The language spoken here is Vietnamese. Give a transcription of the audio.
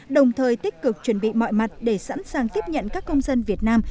đồng thời tích cực chuẩn bị mọi mặt để sẵn sàng tiếp nhận các công dân việt nam